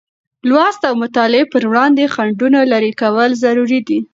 لوست او مطالعې پر وړاندې خنډونه لېرې کول ضروري دی.